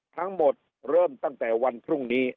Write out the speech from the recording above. ทั้งหมดเริ่มตั้งแต่วันพรุ่งนี้